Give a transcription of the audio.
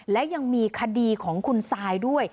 และยังมีคดีของคุณซายด้วย